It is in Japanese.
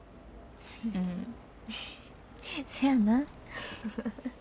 うんせやな。